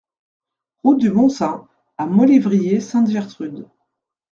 Route du Mont Saint à Maulévrier-Sainte-Gertrude